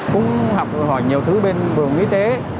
cũng học hỏi nhiều thứ bên vườn y tế